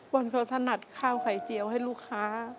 วันเขาถนัดข้าวไข่เจียวให้ลูกค้า